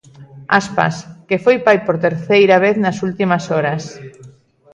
Aspas, que foi pai por terceira vez nas últimas horas.